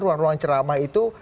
ruang ruang ceramah itu